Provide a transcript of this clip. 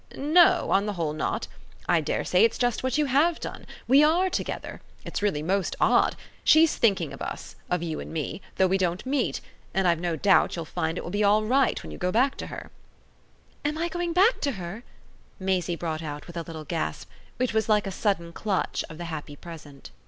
"No, on the whole not. I dare say it's just what you HAVE done. We ARE together it's really most odd. She's thinking of us of you and me though we don't meet. And I've no doubt you'll find it will be all right when you go back to her." "Am I going back to her?" Maisie brought out with a little gasp which was like a sudden clutch of the happy present.